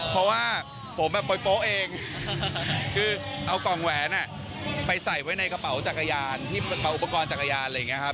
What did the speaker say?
เพราะว่าผมแบบโป๊ะเองคือเอากล่องแหวนไปใส่ไว้ในกระเป๋าจักรยานที่กระเป๋าอุปกรณ์จักรยานอะไรอย่างนี้ครับ